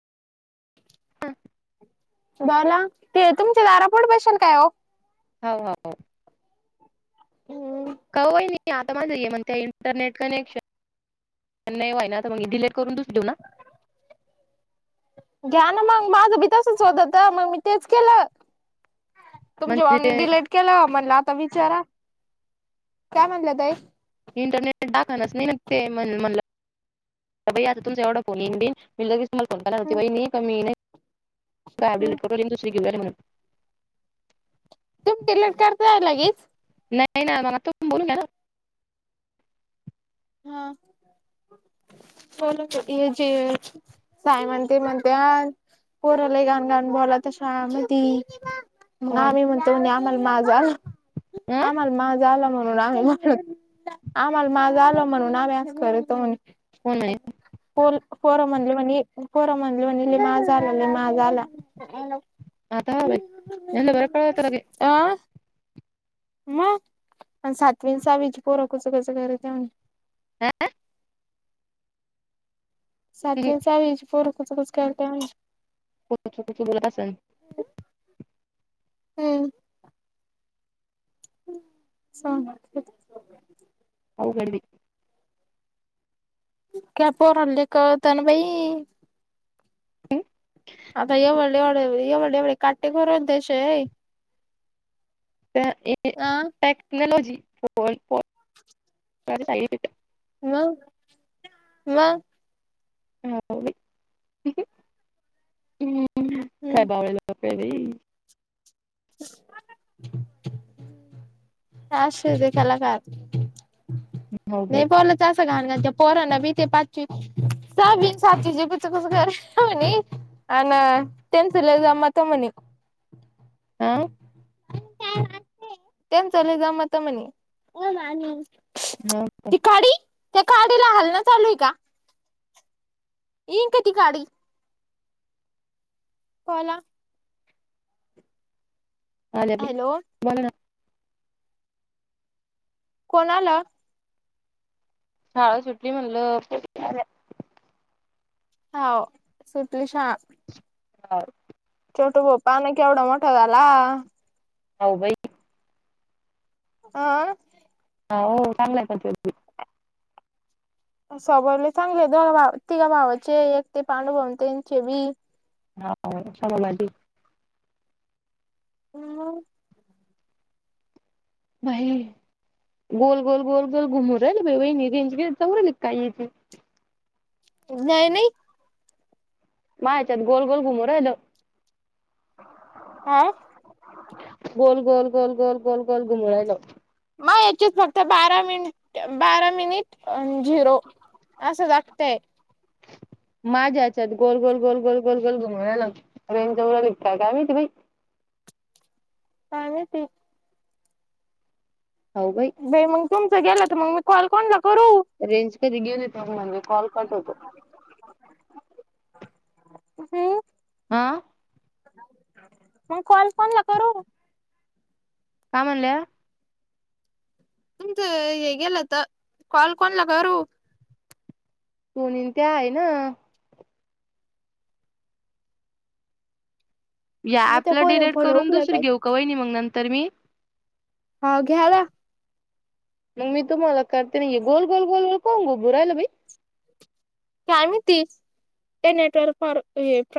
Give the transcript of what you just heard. ला ते तुमचे दारापोट बशल काय हो. हो काय. नाही आता माझ म्हग त्या इंटरनेट कनेक्शन नाही वा्हा आहे ना आता मग डिलेट करून दूस देऊ ना. [unintelligible] घ्या ना मग माझं बी तसच होतत मग मी तेच केलं. तुमच्या म्हणजे बा ते डिलेट केलं म्हणलं आता विचारा काय म्हणलं तई. इंटरनेट दाखवणच नाही ते म्हण आता तुमचा एवढा फोन येन बिन. मिल कीच तुला कोणता नव्हती हम्म बाही नाही कमीी नाही काय हम्म अटट दुसरी घेऊ. तुमट लट करताय लगेच. नाही नाही मला तू बोलू ना. हा जे. साई म्हणते म्हणते पोरला गाण गाण बला तशा म त. मग फोन आम्ही म्हणतो आम्हाला मा झा आला हा आम्हाला मा झा आला म्हणून आम्ही. आम्हाला माझा आलं म्हणून आमहीस करतो फोन म्ह. म्हणे पोर म्हणले म्हणे पोरं म्हधले म्हणे लले माझ आला लले माझ आला. आता हा बाई म्हणलं बरं कळवतं लगे आ. मग आणि सातवींचावीज पोरकूच कचं घरऊन. आह. सातवीच आज पोरखच कच काता. क क बला अस. हम्म. सांग [unintelligible] होऊ [unintelligible] [unintelligible] कळतंन बाई. आता एवढ एवढ ए एवढे एवढे काटे खो र देश - - अ टेक्नॉलॉजी फोन फ [unintelligible] सांगितल - - मगं, म. ह हम् हम्म काय [unintelligible] बाई [inaudible] जास [unintelligible] त केला का? हो बाई नाही बोलंच असं घाण घाण. त्या पोराना बी ते पाचवी सावी सातीचे पच कुस करणे हुनी. आनं त्यांच लई जमतं म्हणे. हा त्यांच लई जमतं म्हणे. हो का. ती काडी त्या काडीला हालण चालूय हाय का? ईकाती काडी. कोला. आल्या बाई, हॅलो बोला ना. कोणाला? शाळा सुटली म्हणलं [unintelligible] हाओ. सुटलि शाळा. हाओ. छोटू पप्पा आण केवढा मोठा झाला. हो बाई. आ. हा हो चांगलाय [unintelligible] स्वभाव लई चांगले दोघा भा तिघ भावाचे एक ते पाांडूभवतेनचे बी. हा [unintelligible] हम्. बाई गोल गोल गोल गोल घुमु राहिल बाई [unintelligible] चल काय येची. न्याय नाही. मायच्यान् गोल गोल घुमु राहिल. काय? गोल गोल गोल गोल गोल गोल घुमु रायल. म याचीत फक्त बारा मिनिट बारा मिनिट झिरो. असं जागतयं. माझ्या हेच्यात गोल गोल गोल गोल गोल गोल घुमु रायलं रेंज जवळ आली का काय माहित बाई. [unintelligible] ते हो भाई. बाई मग तुमचं गेलं तर, मग मी कॉल कोणला करू? रेंज कधी गेली तर माझा कॉल कट होतो. हम्. हा. म कॉल कोणाला करू? काय म्हणल्या. तुमचं हे गलतर कॉल कोणाला करू. दोनी त्या आहे ना. या नाही तर ऍपला फोन डिलेट फोन करून उकला दुसरी पाहिजे घेऊ का वहिनी नंतर मी. हो घ्याला. मग मी तुम्हाला करते नाहीये गोल गोल गोल गोल कोण गो बु राहिला बाई कायमती ते नेटवर्क